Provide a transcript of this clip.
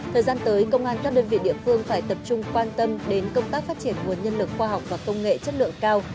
thời gian tới công an các đơn vị địa phương phải tập trung quan tâm đến công tác phát triển nguồn nhân lực khoa học và công nghệ chất lượng cao